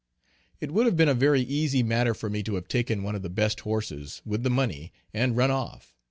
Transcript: It would have been a very easy matter for me to have taken one of the best horses, with the money, and run off.